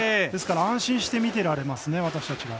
ですから、安心して見ていられますね